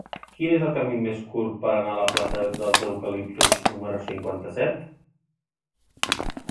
Quin és el camí més curt per anar a la plaça dels Eucaliptus número cinquanta-set?